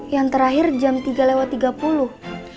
yang terakhir jam tiga lewat tiga puluh